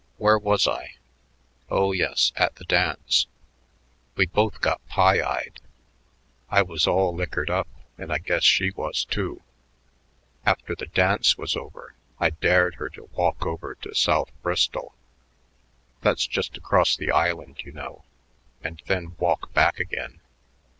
Where was I? Oh, yes, at the dance. We both got pie eyed; I was all liquored up, and I guess she was, too. After the dance was over, I dared her to walk over to South Bristol that's just across the island, you know and then walk back again.